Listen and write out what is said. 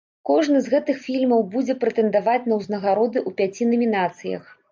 Кожны з гэтых фільмаў будзе прэтэндаваць на ўзнагароды ў пяці намінацыях.